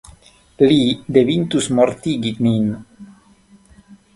Li devintus mortigi nin.